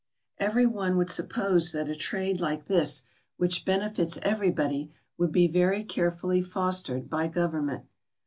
] Every one would suppose that a trade like this, which benefits everybody, would be very carefully fostered by Government.